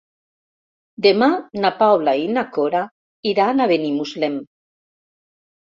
Demà na Paula i na Cora iran a Benimuslem.